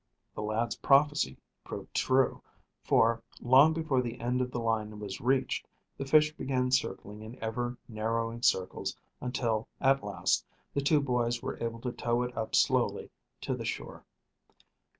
The lad's prophecy proved true, for, long before the end of the line was reached, the fish began circling in ever narrowing circles until, at last, the two boys were able to tow it up slowly to the shore.